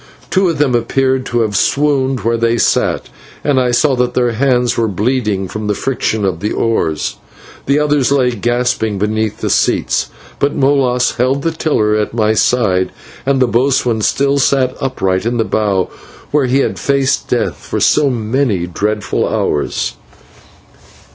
Two of them appeared to have swooned where they sat, and I saw that their hands were bleeding from the friction of the oars. Three others lay gasping beneath the seats, but Molas held the tiller at my side, and the boatswain still sat upright in the bow where he had faced death for so many dreadful hours.